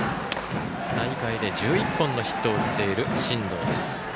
大会で１１本のヒットを打っている、進藤です。